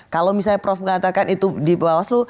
kalau misalnya prof mengatakan itu di bawaslu